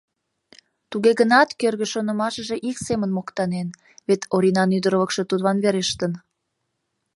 Туге гынат кӧргӧ шонымашыже ик семын моктанен: вет Оринан ӱдырлыкшӧ тудлан верештын.